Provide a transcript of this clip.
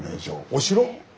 お城？